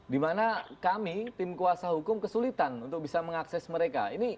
dimana kami tim kuasa hukum kesulitan untuk bisa mengakses mereka